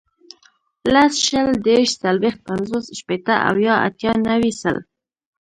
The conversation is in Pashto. لس, شل, دېرش, څلوېښت, پنځوس, شپېته, اویا, اتیا, نوي, سل